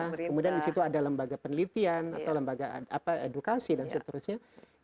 kemudian di situ ada lembaga penelitian atau lembaga edukasi dan seterusnya